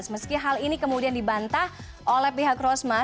meski hal ini kemudian dibantah oleh pihak rosma